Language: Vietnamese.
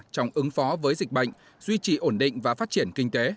trong ứng phó với dịch bệnh duy trì ổn định và phát triển kinh tế